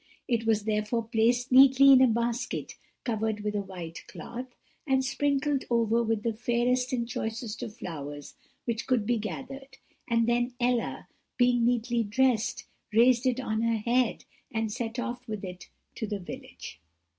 It was therefore placed neatly in a basket covered with a white cloth, and sprinkled over with the fairest and choicest of flowers which could be gathered; and then Ella, being neatly dressed, raised it on her head, and set off with it to the village.